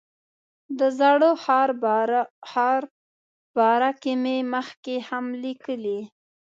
د زاړه ښار باره کې مې مخکې هم لیکلي.